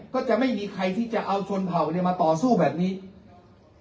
ก็จะไม่มีใครที่จะเอาชนเผ่าเนี่ยมาต่อสู้แบบนี้